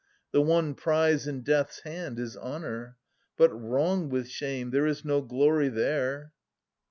The one prize in death's hand is honour. But wrong with shame !— there is no glory, there.